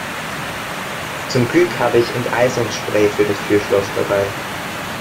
Zum Glück habe ich Enteisungsspray für das Türschloss dabei.